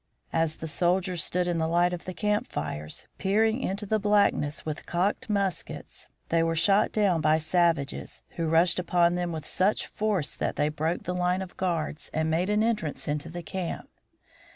As the soldiers stood in the light of the camp fires, peering into the blackness with cocked muskets, they were shot down by savages, who rushed upon them with such force that they broke the line of guards and made an entrance into the camp.